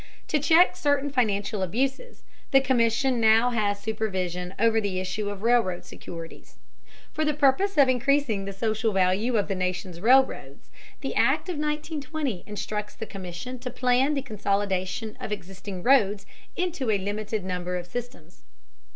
To check certain financial abuses, the Commission now has supervision over the issue of railroad securities. For the purpose of increasing the social value of the nation's railroads, the Act of 1920 instructs the Commission to plan the consolidation of existing roads into a limited number of systems.